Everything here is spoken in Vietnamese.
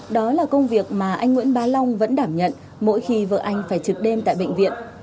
đó là công việc mà anh nguyễn ba long vẫn đảm nhận mỗi khi vợ anh phải trực đêm tại bệnh viện